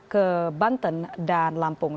ke banten dan lampung